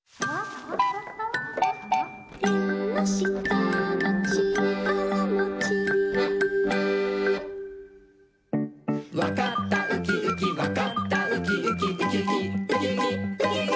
「えんのしたのちからもち」「わかったウキウキわかったウキウキ」「ウキウキウキウキウキウキ」